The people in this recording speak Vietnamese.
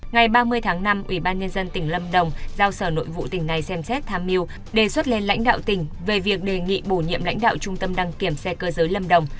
ngày ba mươi tháng năm ủy ban nhân dân tỉnh lâm đồng giao sở nội vụ tỉnh này xem xét tham mưu đề xuất lên lãnh đạo tỉnh về việc đề nghị bổ nhiệm lãnh đạo trung tâm đăng kiểm xe cơ giới lâm đồng